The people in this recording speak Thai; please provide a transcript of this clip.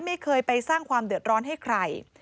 ไม่เคยไปสร้างความเดือดร้อนให้ใคร